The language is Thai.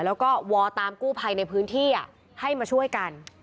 แล้วก็วอตามกู้ภัยในพื้นที่ให้มาช่วยกัน